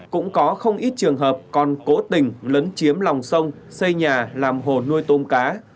cũng có không ít trường hợp còn cố tình lấn chiếm lòng sông xây nhà làm hồ nuôi tôm cá